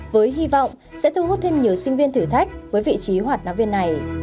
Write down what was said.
với hy vọng sẽ thu hút thêm nhiều sinh viên thử thách với vị trí hoạt nạ viên này